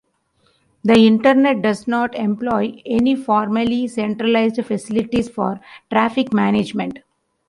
The Internet does not employ any formally centralized facilities for traffic management.